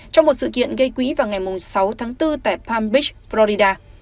trong một sự kiện gây quỹ vào ngày sáu tháng bốn tại palm beach florida